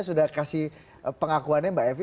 sudah kasih pengakuannya mbak evi